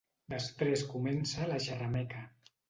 Després comença la xerrameca.